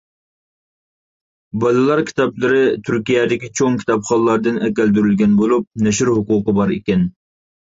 بالىلار كىتابلىرى تۈركىيەدىكى چوڭ كىتابخانىلاردىن ئەكەلدۈرۈلگەن بولۇپ، نەشر ھوقۇقى بار ئىكەن.